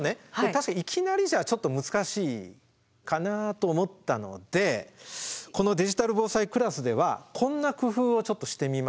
確かにいきなりじゃちょっと難しいかなと思ったのでこの「デジタル防災クラス」ではこんな工夫をちょっとしてみました。